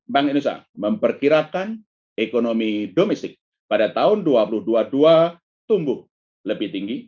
bank indonesia memperkirakan ekonomi domestik pada tahun dua ribu dua puluh dua tumbuh lebih tinggi